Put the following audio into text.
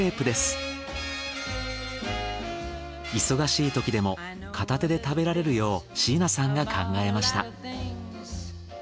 忙しいときでも片手で食べられるよう椎名さんが考えました。